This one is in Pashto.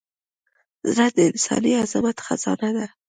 زړه د انساني عظمت خزانه ده.